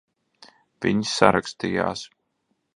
Viņi sarakstījās.